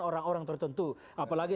orang orang tertentu apalagi